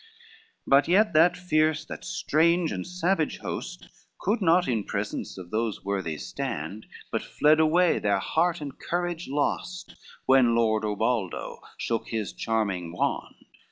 LII But yet that fierce, that strange and savage host Could not in presence of those worthies stand, But fled away, their heart and courage lost, When Lord Ubaldo shook his charming wand.